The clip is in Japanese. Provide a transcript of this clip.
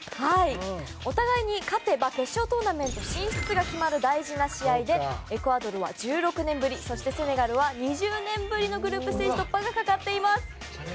お互いに、勝てば決勝トーナメント進出が決まる大事な試合でエクアドルは１６年ぶりそしてセネガルは２０年ぶりのグループステージ突破がかかっています。